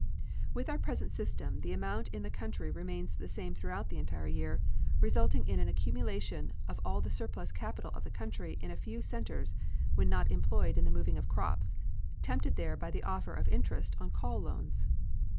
With our present system the amount in the country remains the same throughout the entire year, resulting in an accumulation of all the surplus capital of the country in a few centers when not employed in the moving of crops, tempted there by the offer of interest on call loans.